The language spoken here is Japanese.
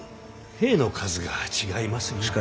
兵の数が違いますゆえ。